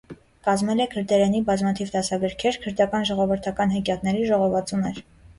Կազմել է քրդերենի բազմաթիվ դասագրքեր, քրդական ժողովրդական հեքիաթների ժողովածուներ։